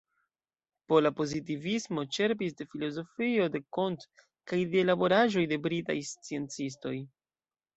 Pola pozitivismo ĉerpis de filozofio de Comte kaj de laboraĵoj de britaj sciencistoj.